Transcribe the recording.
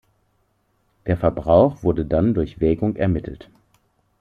Der Verbrauch wurde dann durch Wägung ermittelt.